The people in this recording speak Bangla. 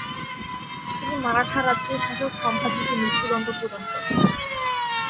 তিনি মারাঠা রাজ্যের শাসক সম্ভাজি কে মৃত্যুদণ্ড প্রদান করেন।